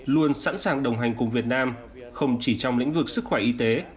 luôn sẵn sàng đồng hành cùng việt nam không chỉ trong lĩnh vực sức khỏe y tế